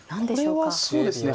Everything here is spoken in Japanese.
これはそうですね